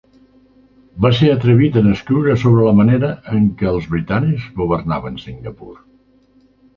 Va ser atrevit en escriure sobre la manera en què els britànics governaven Singapur.